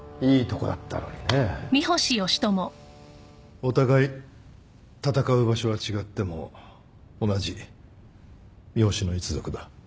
お互い戦う場所は違っても同じ三星の一族だ。